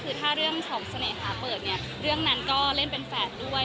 คือถ้าเรื่องของเสน่หาเปิดเนี่ยเรื่องนั้นก็เล่นเป็นแฝดด้วย